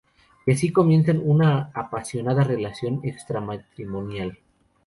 Y así comienzan una apasionada relación extramatrimonial.